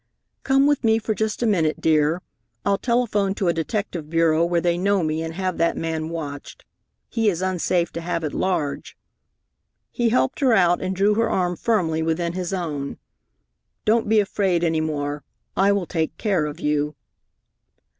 "Come with me for just a minute, dear. I'll telephone to a detective bureau where they know me and have that man watched. He is unsafe to have at large." He helped her out and drew her arm firmly within his own. "Don't be afraid any more. I will take care of you."